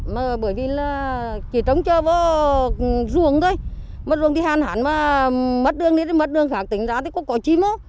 mà bởi vì là chỉ trống cho vô ruồng thôi mất ruồng thì hạn hạn mà mất đường đi thì mất đường khác tính ra thì có cỏ chim á